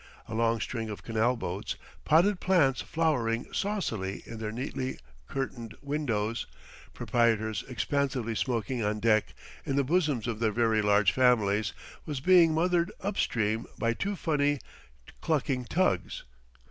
A long string of canal boats, potted plants flowering saucily in their neatly curtained windows, proprietors expansively smoking on deck, in the bosoms of their very large families, was being mothered up stream by two funny, clucking tugs.